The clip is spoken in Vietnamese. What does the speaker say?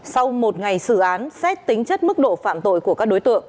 sau một ngày xử án xét tính chất mức độ phạm tội của các đối tượng